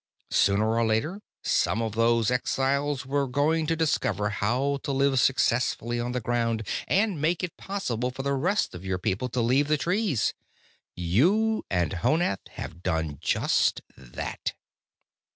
"Sooner or later, some of those exiles were going to discover how to live successfully on the ground and make it possible for the rest of your people to leave the trees. You and Honath have done just that."